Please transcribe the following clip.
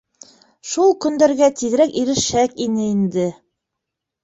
— Шул көндәргә тиҙерәк ирешһәк ине инде.